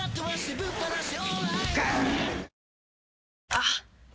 あっ！